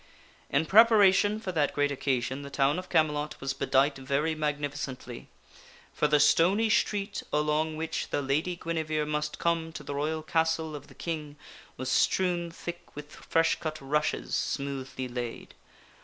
In preparation for that great occasion the town of Camelot was bedight very magnificently, for the stony street along which the Lady Guinevere must come to the royal castle of the King was strewn thick with fresh cut rushes smoothly laid.